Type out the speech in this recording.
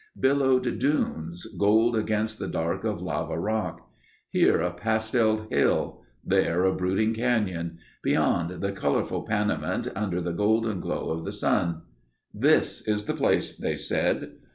Billowed dunes, gold against the dark of lava rock. Here a pastelled hill. There a brooding canyon. Beyond, the colorful Panamint under the golden glow of the sun. "This is the place," they said.